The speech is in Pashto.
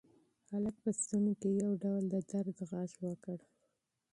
هلک په ستوني کې یو ډول د درد غږ وکړ.